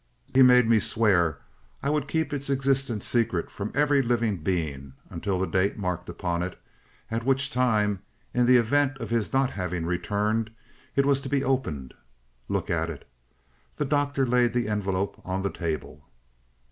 "He made me swear I would keep its existence secret from every living being, until the date marked upon it, at which time, in the event of his not having returned, it was to be opened. Look at it." The Doctor laid the envelope on the table.